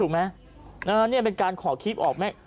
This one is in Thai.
ถูกไหมแล้วนี่เป็นการขอคีพออกไหม